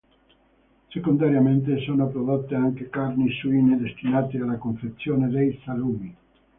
Secondariamente sono prodotte anche carni suine destinate alla confezione dei salumi.